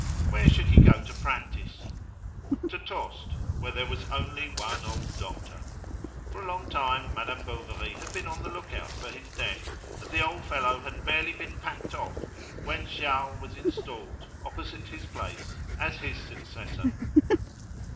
Where should he go to practice? To Tostes, where there was only one old doctor. For a long time Madame Bovary had been on the look out for his death, and the old fellow had barely been packed off when Charles was installed, opposite his place, as his successor.